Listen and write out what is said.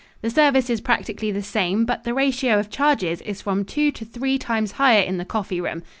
The service is practically the same, but the ratio of charges is from two to three times higher in the coffee room.